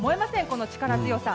この力強さ。